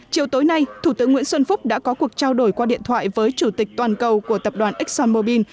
chiều tối nay thủ tướng nguyễn xuân phúc đã có cuộc trao đổi qua điện thoại với chủ tịch toàn cầu của tập đoàn exxonmobil